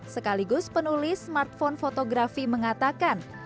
sekaligus penulis smartphone fotografi mengatakan